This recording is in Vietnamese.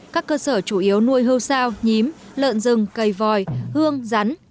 các cơ sở chủ yếu nuôi hương sao nhím lợn rừng cây vòi hương rắn